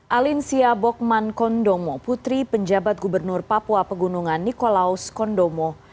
alinsia bokman kondomo putri penjabat gubernur papua pegunungan nikolaus kondomo